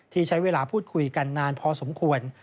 ที่ใช้เวลาพูดคุยกันนานพอสมควร